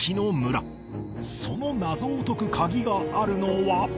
その謎を解く鍵があるのは